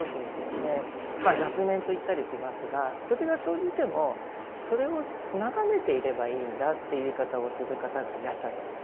雑念といったりしますがそれが生じてもそれを眺めていればいいんだという言い方をする方がいらっしゃるんです。